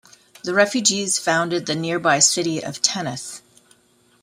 The refugees founded the nearby city of Tennis.